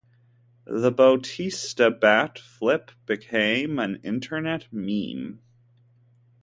The Bautista bat flip became an internet meme.